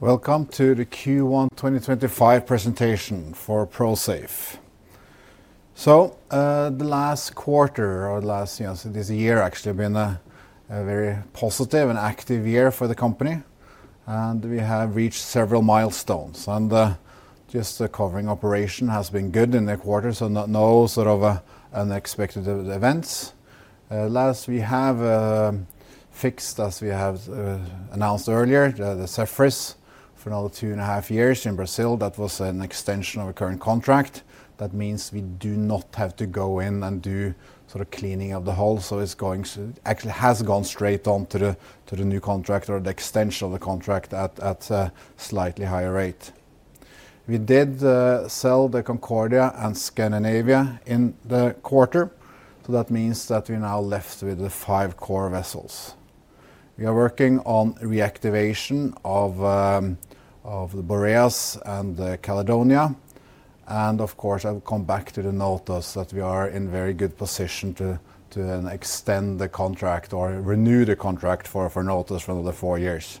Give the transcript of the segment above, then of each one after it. Welcome to the Q1 2025 presentation for Prosafe. The last quarter, or the last, you know, this year actually has been a very positive and active year for the company, and we have reached several milestones. Just the covering operation has been good in the quarter, so no sort of unexpected events. Last, we have fixed, as we have announced earlier, the Safe Zephyrus for another two and a half years in Brazil. That was an extension of a current contract. That means we do not have to go in and do sort of cleaning of the hulls. It is going to, actually has gone straight on to the new contract or the extension of the contract at a slightly higher rate. We did sell the Safe Concordia and Safe Scandinavia in the quarter. That means that we are now left with the five core vessels. We are working on reactivation of the Boreas and the Caledonia. Of course, I will come back to the Notice that we are in very good position to extend the contract or renew the contract for Notice for another four years.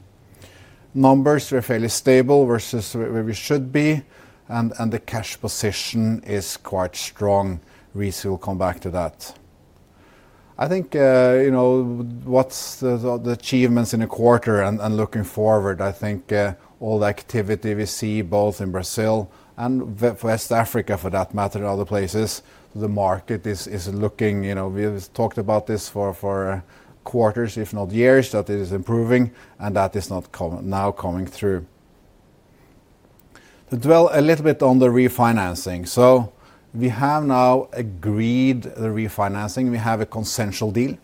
Numbers were fairly stable versus where we should be, and the cash position is quite strong. We will come back to that. I think, you know, what's the achievements in the quarter and, looking forward, I think all the activity we see both in Brazil and West Africa, for that matter, and other places, the market is, you know, we've talked about this for quarters, if not years, that it is improving, and that is now coming through. To dwell a little bit on the refinancing. We have now agreed the refinancing. We have a consensual deal.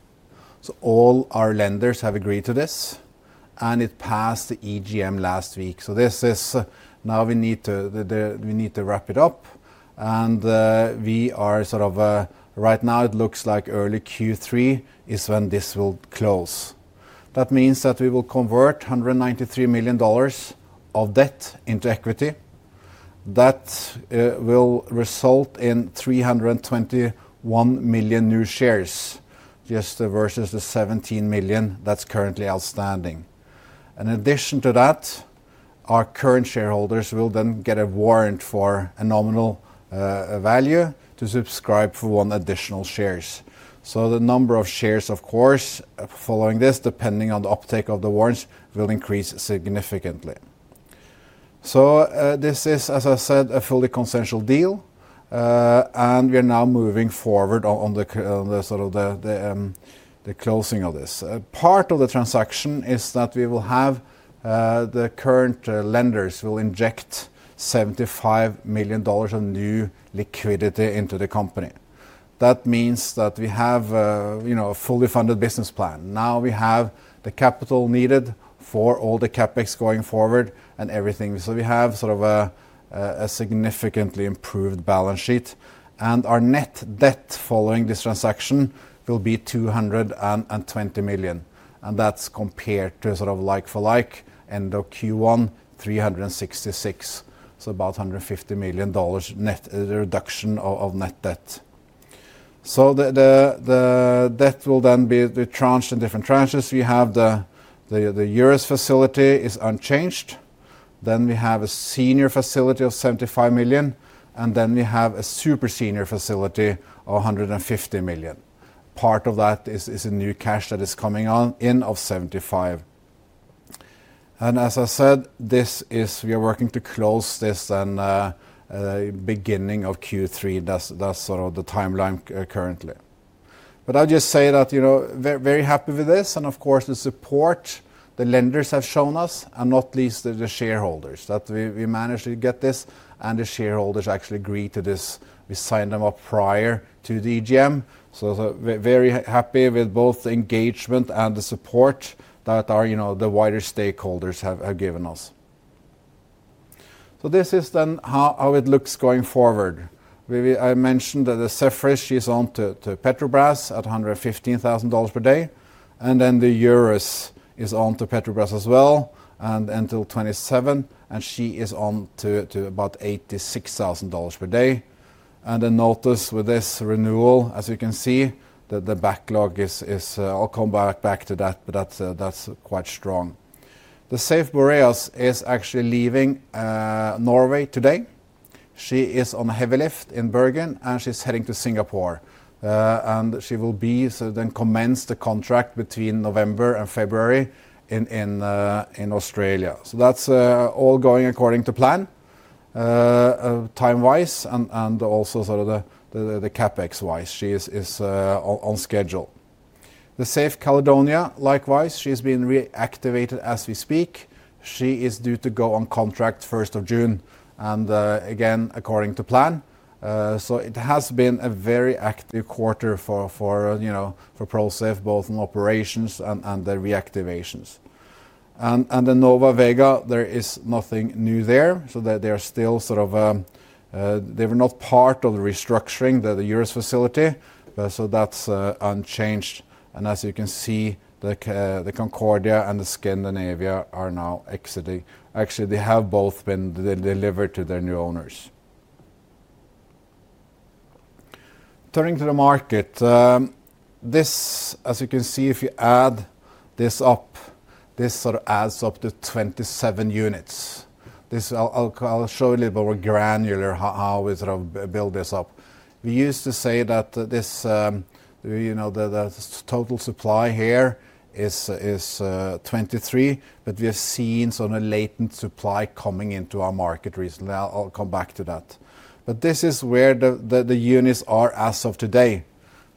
All our lenders have agreed to this, and it passed the EGM last week. We need to wrap it up, and right now it looks like early Q3 is when this will close. That means that we will convert $193 million of debt into equity. That will result in 321 million new shares, just versus the 17 million that's currently outstanding. In addition to that, our current shareholders will then get a warrant for a nominal value to subscribe for one additional share. The number of shares, of course, following this, depending on the uptake of the warrants, will increase significantly. This is, as I said, a fully consensual deal, and we are now moving forward on the closing of this. Part of the transaction is that we will have, the current lenders will inject $75 million of new liquidity into the company. That means that we have, you know, a fully funded business plan. Now we have the capital needed for all the CapEx going forward and everything. We have sort of a significantly improved balance sheet. Our net debt following this transaction will be $220 million. That is compared to sort of like for like end of Q1, $366 million. About $150 million net reduction of net debt. The debt will then be tranched in different tranches. We have the Eurus facility is unchanged. Then we have a senior facility of $75 million. Then we have a super senior facility of $150 million. Part of that is a new cash that is coming on in of $75 million. As I said, we are working to close this and, beginning of Q3, that is sort of the timeline currently. I will just say that, you know, very happy with this. Of course, the support the lenders have shown us, and not least the shareholders, that we managed to get this. The shareholders actually agreed to this. We signed them up prior to the EGM. Very happy with both the engagement and the support that our, you know, the wider stakeholders have given us. This is then how it looks going forward. I mentioned that the Zephyrus, she is on to Petrobras at $115,000 per day. The Eurus is on to Petrobras as well and until 2027. She is on to about $86,000 per day. The Notice with this renewal, as you can see, the backlog is, I'll come back to that, but that's quite strong. The Safe Boreas is actually leaving Norway today. She is on a heavy lift in Bergen, and she's heading to Singapore. She will then commence the contract between November and February in Australia. That is all going according to plan, time-wise and also sort of CapEx-wise. She is on schedule. The Safe Caledonia, likewise, she's been reactivated as we speak. She is due to go on contract 1st of June. Again, according to plan. It has been a very active quarter for Prosafe, both in operations and the reactivations. The Nova Vega, there is nothing new there. They were not part of the restructuring, the Eurus facility. That is unchanged. As you can see, the Concordia and the Scandinavia are now exiting. Actually, they have both been delivered to their new owners. Turning to the market, if you add this up, this adds up to 27 units. I will show you a little bit more granular how we sort of build this up. We used to say that the total supply here is 23, but we have seen a latent supply coming into our market recently. I will come back to that. This is where the units are as of today.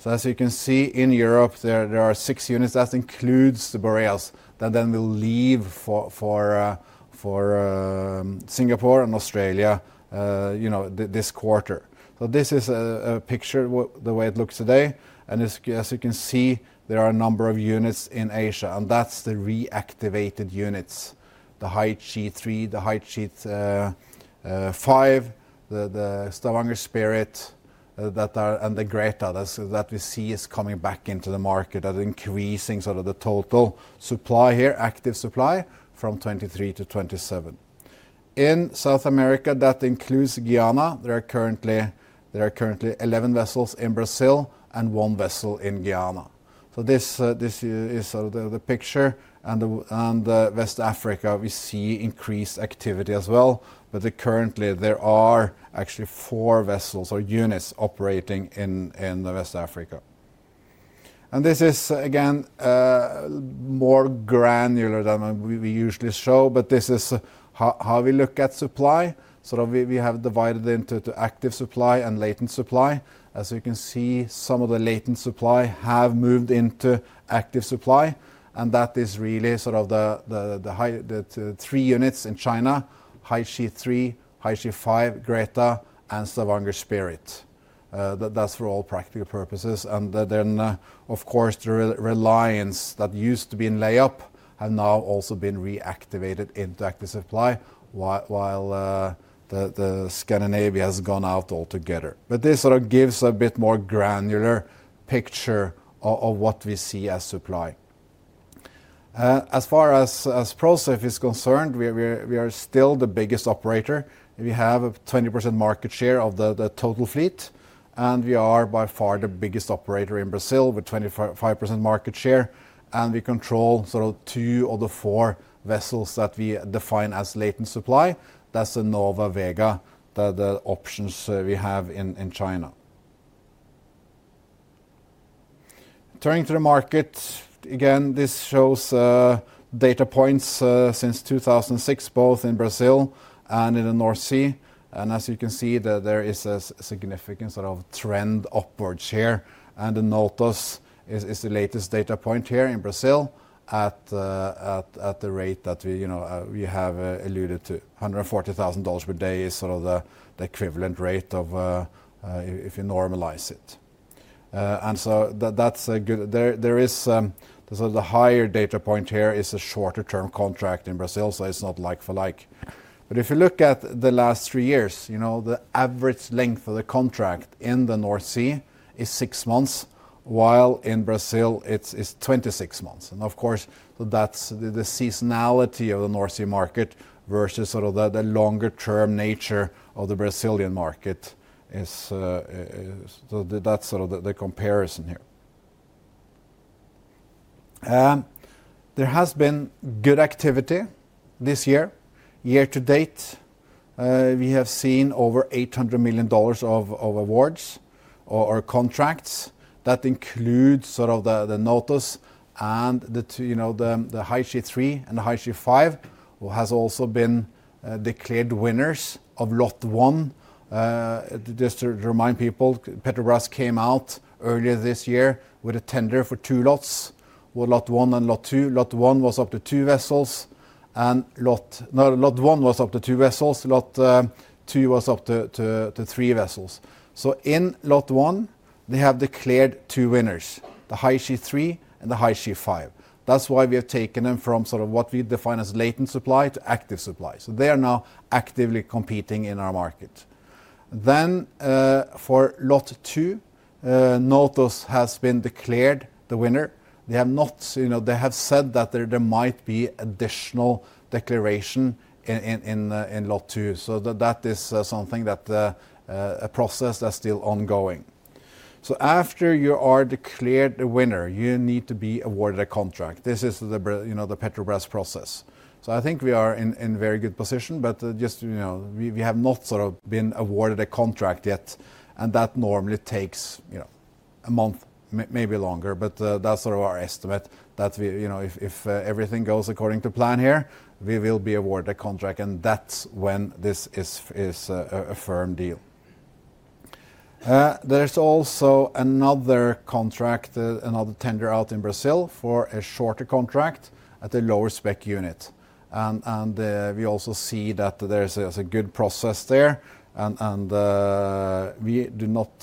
As you can see, in Europe, there are six units. That includes the Boreas that then will leave for Singapore and Australia, you know, this quarter. This is a picture what the way it looks today. As you can see, there are a number of units in Asia. That's the reactivated units, the High G3, the High G5, the Stavanger Spirit, and the Greta that we see is coming back into the market, increasing sort of the total supply here, active supply from 23 to 27. In South America, that includes Guyana. There are currently 11 vessels in Brazil and one vessel in Guyana. This is sort of the picture. In West Africa, we see increased activity as well. Currently there are actually four vessels or units operating in West Africa. This is again, more granular than we usually show, but this is how we look at supply. We have divided into active supply and latent supply. As you can see, some of the latent supply have moved into active supply. That is really sort of the three units in China, High G3, High G5, Greta, and Stavanger Spirit. That is for all practical purposes. Then, of course, the Reliance that used to be in layup have now also been reactivated into active supply, while the Scandinavia has gone out altogether. This gives a bit more granular picture of what we see as supply. As far as Prosafe is concerned, we are still the biggest operator. We have a 20% market share of the total fleet. We are by far the biggest operator in Brazil with 25% market share. We control two of the four vessels that we define as latent supply. That is the Nova, Vega, the options we have in China. Turning to the market again, this shows data points since 2006, both in Brazil and in the North Sea. As you can see, there is a significant trend upwards here. The Notice is the latest data point here in Brazil at the rate that we have alluded to $140,000 per day is the equivalent rate if you normalize it. That is a good, there is, the higher data point here is a shorter term contract in Brazil. It is not like for like. If you look at the last three years, you know, the average length of the contract in the North Sea is six months, while in Brazil it's 26 months. Of course, that's the seasonality of the North Sea market versus sort of the longer term nature of the Brazilian market, so that's sort of the comparison here. There has been good activity this year. Year to date, we have seen over $800 million of awards or contracts that include sort of the notice and the, you know, the High G3 and the High G5 has also been declared winners of Lot 1. Just to remind people, Petrobras came out earlier this year with a tender for two lots, Lot 1 and Lot 2. Lot 1 was up to two vessels. Lot 1 was up to two vessels. Lot 2 was up to three vessels. In Lot 1, they have declared two winners, the High G3 and the High Sheet 5. That is why we have taken them from sort of what we define as latent supply to active supply. They are now actively competing in our market. For Lot 2, Notice has been declared the winner. They have said that there might be additional declaration in Lot 2. That is something that, a process that is still ongoing. After you are declared the winner, you need to be awarded a contract. This is the Petrobras process.I think we are in very good position, but just, you know, we have not sort of been awarded a contract yet. That normally takes, you know, a month, maybe longer. That is sort of our estimate that we, you know, if everything goes according to plan here, we will be awarded a contract. That is when this is a firm deal. There is also another contract, another tender out in Brazil for a shorter contract at a lower spec unit. We also see that there is a good process there. We do not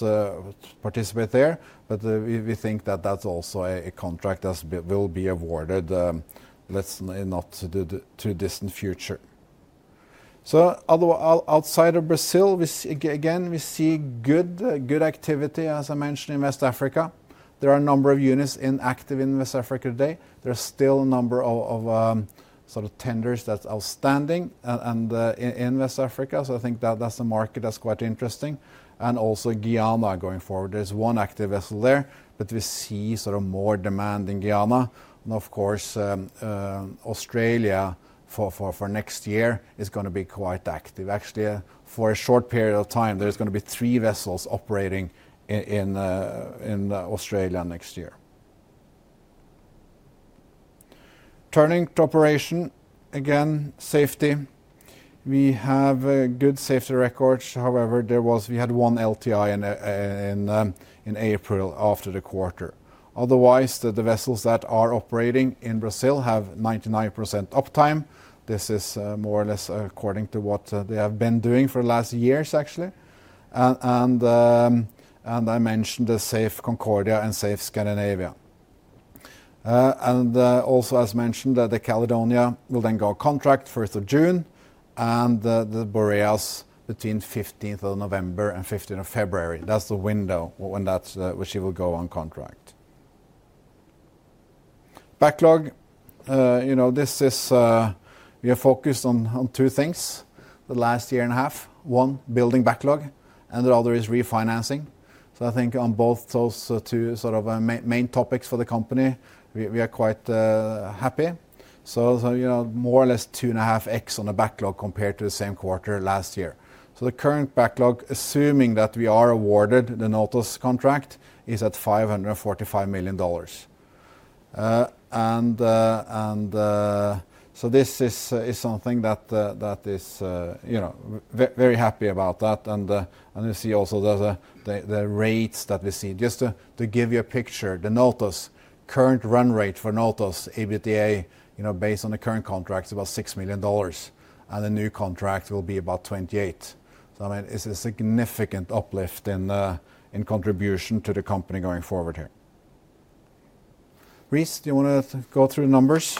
participate there, but we think that is also a contract that will be awarded, let's say, not in the too distant future. Outside of Brazil, we again see good activity, as I mentioned, in West Africa.There are a number of units inactive in West Africa today. There is still a number of, sort of tenders that is outstanding in West Africa. I think that is a market that is quite interesting. Also, Guyana going forward, there is one active vessel there. We see sort of more demand in Guyana. Of course, Australia for next year is going to be quite active. Actually, for a short period of time, there is going to be three vessels operating in Australia next year. Turning to operation again, safety. We have good safety records. However, we had one LTI in April after the quarter. Otherwise, the vessels that are operating in Brazil have 99% uptime. This is more or less according to what they have been doing for the last years, actually.I mentioned the Safe Concordia and Safe Scandinavia. Also, as mentioned, the Caledonia will then go contract 1st of June. The Boreas between 15th of November and 15th of February, that's the window when she will go on contract. Backlog, you know, we have focused on two things the last year and a half. One, building backlog. The other is refinancing. I think on both those two sort of main topics for the company, we are quite happy. You know, more or less two and a half X on the backlog compared to the same quarter last year. The current backlog, assuming that we are awarded the Notos contract, is at $545 million. This is something that is, you know, very happy about that. You see also the rates that we see. Just to give you a picture, the Notos current run rate for Notos ABTA, you know, based on the current contract is about $6 million. The new contract will be about $28 million. I mean, it is a significant uplift in contribution to the company going forward here. Reese, do you want to go through the numbers?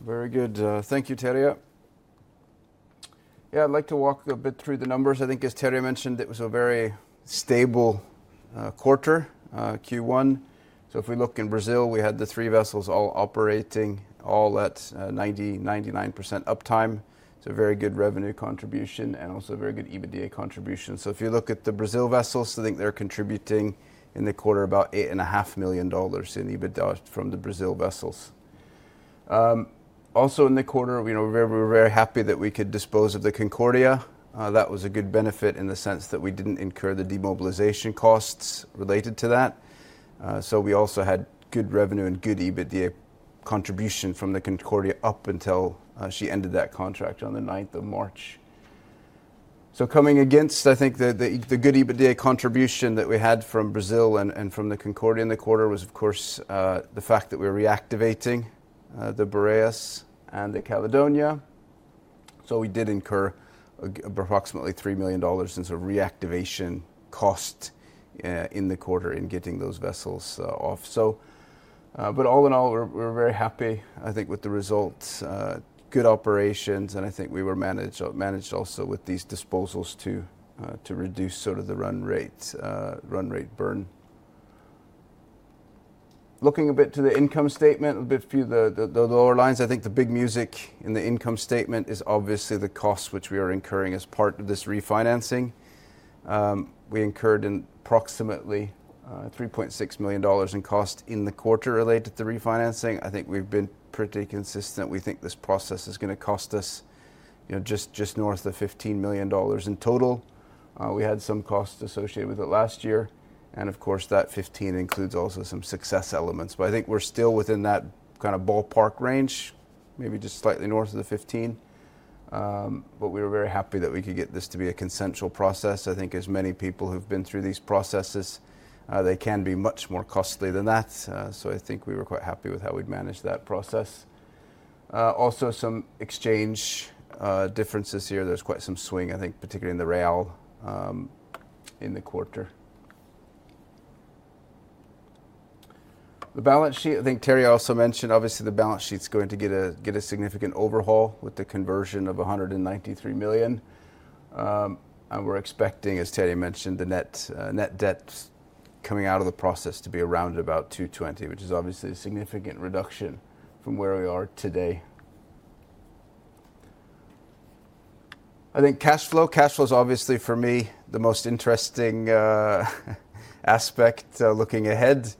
Very good. Thank you, Terje. Yeah, I'd like to walk a bit through the numbers. I think as Terje mentioned, it was a very stable quarter, Q1. If we look in Brazil, we had the three vessels all operating all at 99% uptime. It is a very good revenue contribution and also a very good EBITDA contribution. If you look at the Brazil vessels, I think they're contributing in the quarter about $8.5 million in EBITDA from the Brazil vessels. Also in the quarter, you know, we were very happy that we could dispose of the Concordia. That was a good benefit in the sense that we didn't incur the demobilization costs related to that. We also had good revenue and good EBITDA contribution from the Concordia up until she ended that contract on the 9th of March. Coming against, I think the good EBITDA contribution that we had from Brazil and from the Concordia in the quarter was, of course, the fact that we're reactivating the Boreas and the Caledonia. We did incur approximately $3 million in sort of reactivation cost in the quarter in getting those vessels off. All in all, we're very happy, I think, with the results, good operations. I think we managed also with these disposals to reduce sort of the run rate burn. Looking a bit to the income statement, a bit few of the lower lines, I think the big music in the income statement is obviously the costs which we are incurring as part of this refinancing. We incurred approximately $3.6 million in cost in the quarter related to the refinancing. I think we've been pretty consistent. We think this process is going to cost us, you know, just north of $15 million in total. We had some costs associated with it last year. Of course, that $15 million includes also some success elements.I think we're still within that kind of ballpark range, maybe just slightly north of the 15. We were very happy that we could get this to be a consensual process. I think as many people who've been through these processes, they can be much more costly than that. I think we were quite happy with how we'd managed that process. Also some exchange differences here. There's quite some swing, I think, particularly in the real, in the quarter. The balance sheet, I think Terje also mentioned, obviously the balance sheet's going to get a significant overhaul with the conversion of $193 million. We're expecting, as Terje mentioned, the net debt coming out of the process to be around about $220 million, which is obviously a significant reduction from where we are today.I think cash flow, cash flow is obviously for me the most interesting aspect, looking ahead.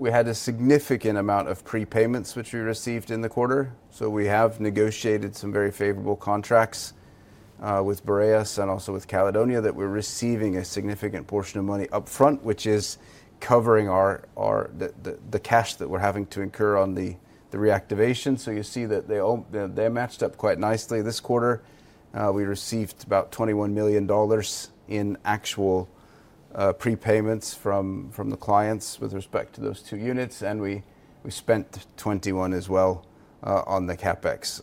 We had a significant amount of prepayments which we received in the quarter. We have negotiated some very favorable contracts, with Boreas and also with Caledonia that we're receiving a significant portion of money upfront, which is covering our, the cash that we're having to incur on the reactivation. You see that they matched up quite nicely this quarter. We received about $21 million in actual prepayments from the clients with respect to those two units. We spent $21 million as well on the CapEx.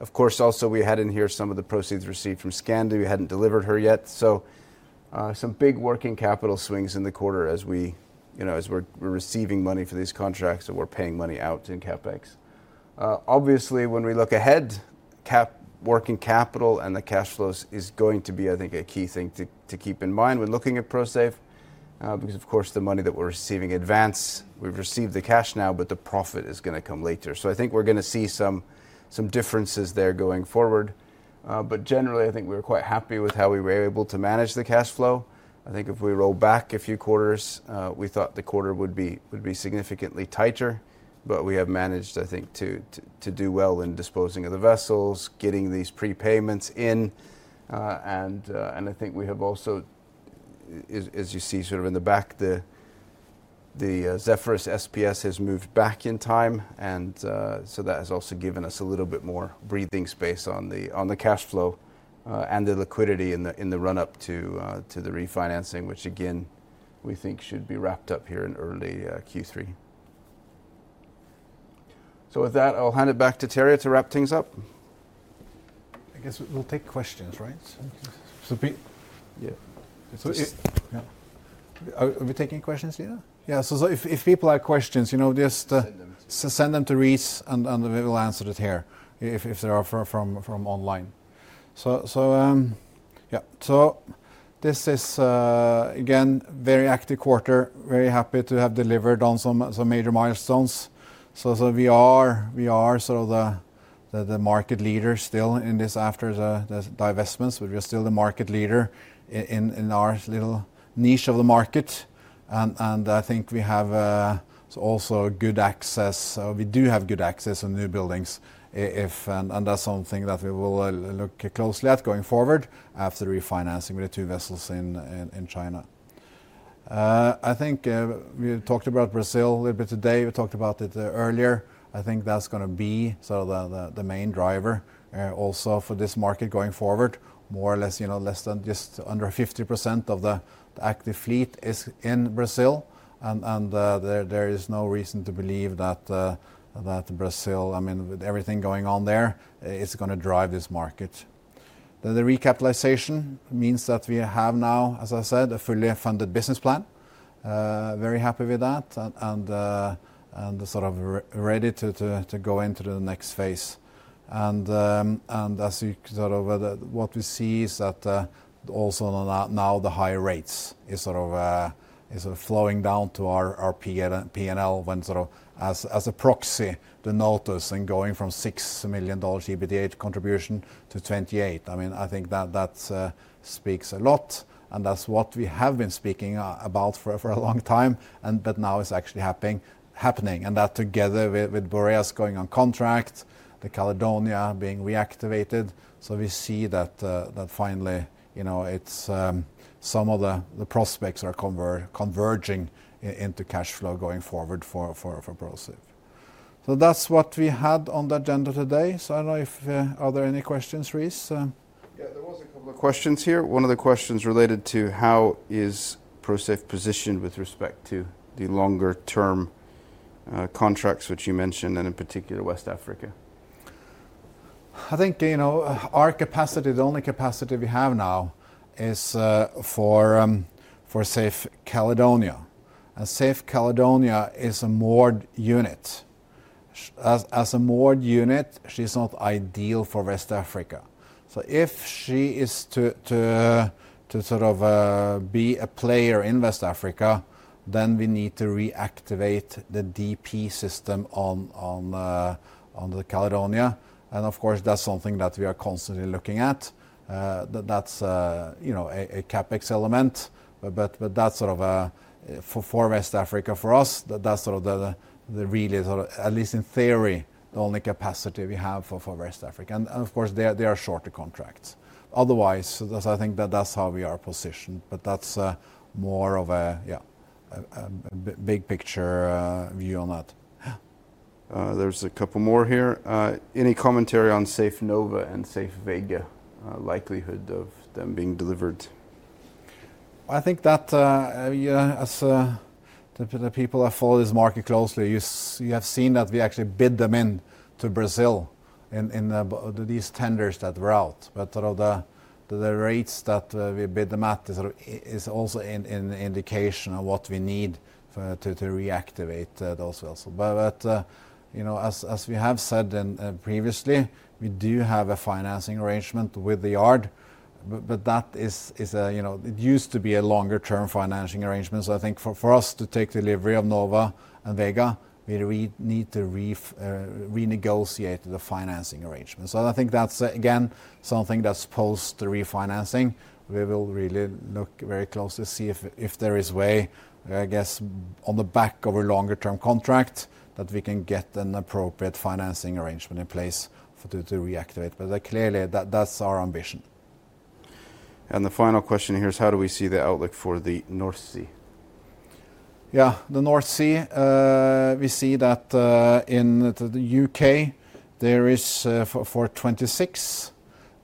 Of course, also we had in here some of the proceeds received from Scandi. We hadn't delivered her yet. Some big working capital swings in the quarter as we, you know, as we're receiving money for these contracts and we're paying money out in CapEx. Obviously when we look ahead, working capital and the cash flows is going to be, I think, a key thing to keep in mind when looking at Prosafe, because of course the money that we're receiving in advance, we've received the cash now, but the profit is going to come later. I think we're going to see some differences there going forward. Generally I think we were quite happy with how we were able to manage the cash flow. I think if we roll back a few quarters, we thought the quarter would be significantly tighter. We have managed, I think, to do well in disposing of the vessels, getting these prepayments in. And I think we have also, as you see sort of in the back, the Zephyrus SPS has moved back in time. That has also given us a little bit more breathing space on the cash flow and the liquidity in the run-up to the refinancing, which again, we think should be wrapped up here in early Q3. With that, I'll hand it back to Terje to wrap things up. I guess we'll take questions, right? People, yeah. Yeah, are we taking questions, Leena Yeah. If people have questions, you know, just send them, send them to Reese and we will answer it here if there are from online. This is, again, very active quarter, very happy to have delivered on some major milestones. We are sort of the market leader still in this after the divestments, but we are still the market leader in our little niche of the market. I think we have also good access. We do have good access on new buildings, if, and that is something that we will look closely at going forward after the refinancing with the two vessels in China. I think we talked about Brazil a little bit today. We talked about it earlier. I think that is going to be sort of the main driver also for this market going forward, more or less, you know, less than just under 50% of the active fleet is in Brazil. There is no reason to believe that Brazil, I mean, with everything going on there, is not going to drive this market. The recapitalization means that we have now, as I said, a fully funded business plan. Very happy with that, and sort of ready to go into the next phase. What we see is that also now the higher rates are sort of flowing down to our P&L as a proxy to Notos and going from $6 million EBITDA contribution to $28 million. I mean, I think that speaks a lot, and that's what we have been speaking about for a long time. Now it's actually happening. That together with Boreas going on contract, the Caledonia being reactivated. We see that, finally, you know, some of the prospects are converging into cash flow going forward for Prosafe. That is what we had on the agenda today. I do not know if there are any questions, Reese? Yeah, there was a couple of questions here. One of the questions related to how is Prosafe positioned with respect to the longer term contracts, which you mentioned, and in particular West Africa? I think, you know, our capacity, the only capacity we have now is for Safe Caledonia. Safe Caledonia is a moored unit. As a moored unit, she is not ideal for West Africa. If she is to be a player in West Africa, then we need to reactivate the DP system on the Caledonia.Of course, that's something that we are constantly looking at. That's, you know, a CapEx element. That's sort of, for West Africa for us, that's sort of the really, at least in theory, the only capacity we have for West Africa. Of course, there are shorter contracts otherwise. I think that that's how we are positioned. That's more of a, yeah, a big picture view on that. Yeah There's a couple more here. Any commentary on Safe Nova and Safe Vega, likelihood of them being delivered? I think that, you know, as the people that follow this market closely, you have seen that we actually bid them in to Brazil in these tenders that were out. The rates that we bid them at is also an indication of what we need to reactivate those vessels. You know, as we have said previously, we do have a financing arrangement with the yard. That used to be a longer term financing arrangement. I think for us to take delivery of Nova and Vega, we need to renegotiate the financing arrangement. I think that is again something that is post refinancing. We will really look very closely to see if there is a way, I guess, on the back of a longer term contract that we can get an appropriate financing arrangement in place to reactivate. Clearly, that is our ambition. The final question here is, how do we see the outlook for the North Sea? Yeah, the North Sea, we see that, in the U.K., there is, for 2026,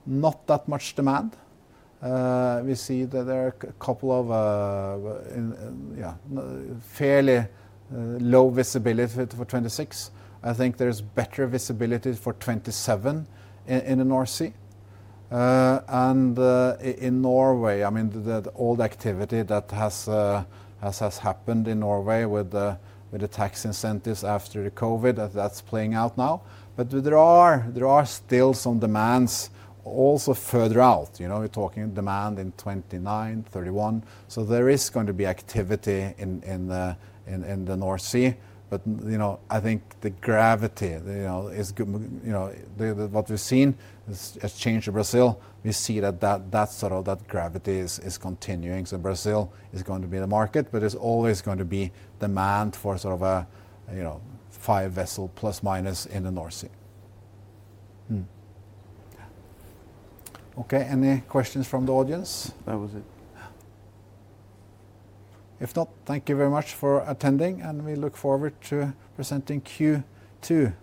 not that much demand. We see that there are a couple of, in, yeah, fairly low visibility for 2026. I think there is better visibility for 2027 in the North Sea. In Norway, I mean, the old activity that has happened in Norway with the tax incentives after the COVID, that is playing out now. There are still some demands also further out. You know, we are talking demand in 2029, 2031. There is going to be activity in the North Sea. You know, I think the gravity, you know, is good. You know, what we have seen has changed to Brazil. We see that sort of that gravity is continuing. Brazil is going to be the market, but there's always going to be demand for sort of a, you know, five vessel plus minus in the North Sea. Okay. Any questions from the audience? That was it. If not, thank you very much for attending. We look forward to presenting Q2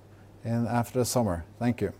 in after the summer. Thank you.